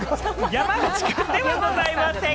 山内くんではございません。